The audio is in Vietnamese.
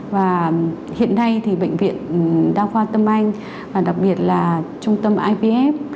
và hiện nay thì bệnh viện đa khoa tâm anh và đặc biệt là trung tâm ipf